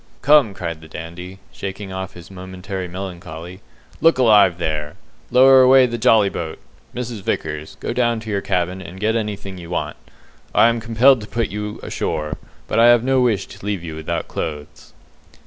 "Come!" cried the Dandy, shaking off his momentary melancholy, "look alive there! Lower away the jolly boat. Mrs. Vickers, go down to your cabin and get anything you want. I am compelled to put you ashore, but I have no wish to leave you without clothes."